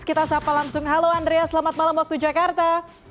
kita sapa langsung halo andrea selamat malam waktu jakarta